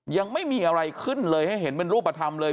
ยังไม่มีอะไรขึ้นเลยให้เห็นเป็นรูปธรรมเลย